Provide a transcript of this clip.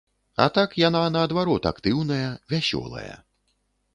А так, яна наадварот актыўная, вясёлая.